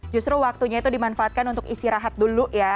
justru waktunya itu dimanfaatkan untuk istirahat dulu ya